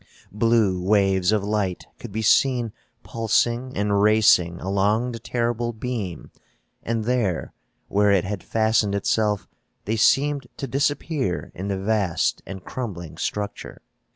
Blue waves of light could be seen pulsing and racing along the terrible beam and there, where it had fastened itself, they seemed to disappear in the vast and crumbling structure.